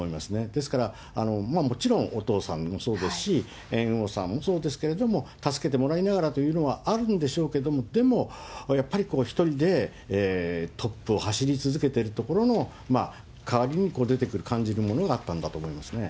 ですから、もちろんお父さんもそうですし、猿翁さんもそうですけれども、助けてもらいながらというのはあるんでしょうけれども、でもやっぱり、１人でトップを走り続けているところの代わりに出てくる感じなものがあったんだと思いますね。